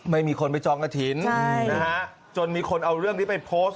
ไม่มีคนไปจองกระถิ่นนะฮะจนมีคนเอาเรื่องนี้ไปโพสต์